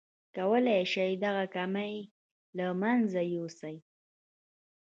کولای شئ دغه کمی له منځه يوسئ.